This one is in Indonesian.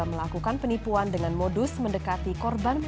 pelaku untuk menipu korban sosok polisi tentara bahkan dokter menjadi yang paling